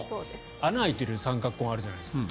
穴が開いている三角コーンあるじゃないですか。